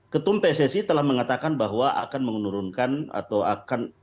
ketum pssi telah mengatakan bahwa akan menurunkan atau akan